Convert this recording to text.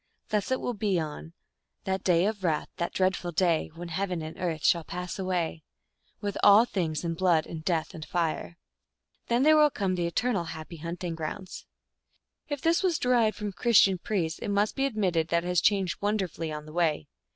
Thus it will be on " That day of wrath, that dreadful day, When heaven and earth shall pass away," with all things, in blood and death and fire. Then there will come the eternal happy hunting grounds. If this was derived from Christian priests, it must be admitted that it has changed wonderfully on the way.